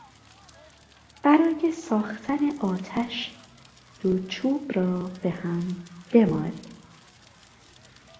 برای ساختن آتش دو چوب را به هم بمال.